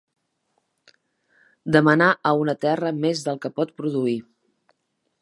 Demanar a una terra més del que pot produir.